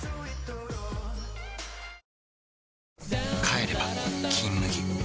帰れば「金麦」